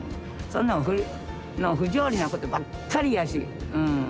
そんなん不条理なことばっかりやし。